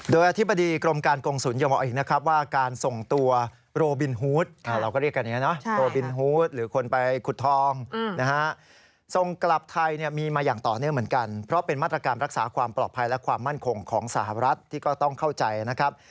โดยอธิบดีกรมการกงศูนยังบอกอีกนะครับว่าการส่งตัวโรบินฮูดเราก็เรียกกันอย่างนี้นะโรบินฮูตหรือคนไปขุดทองนะฮะส่งกลับไทยเนี่ยมีมาอย่างต่อเนื่องเหมือนกันเพราะเป็นมาตรการรักษาความปลอดภัยและความมั่นคงของสหรัฐที่ก็ต้องเข้าใจนะครับ